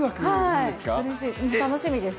楽しみです。